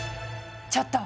ちょっと！